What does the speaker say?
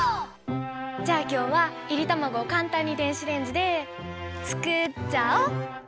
じゃあきょうはいりたまごをかんたんに電子レンジでつくっちゃお！